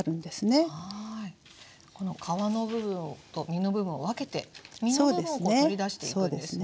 この皮の部分と実の部分を分けて実の部分を取り出していくんですね